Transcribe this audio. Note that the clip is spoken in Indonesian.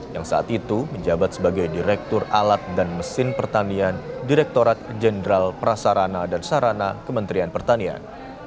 yang saat itu menjabat sebagai direktur alat dan mesin pertanian direktorat jenderal prasarana dan sarana kementerian pertanian